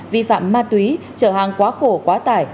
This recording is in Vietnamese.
vi phạm ma túy trở hàng quá khổ quá tải